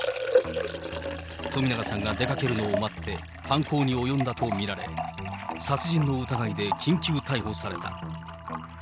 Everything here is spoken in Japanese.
冨永さんが出かけるのを待って、犯行に及んだと見られ、殺人の疑いで緊急逮捕された。